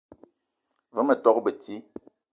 Ve ma tok beti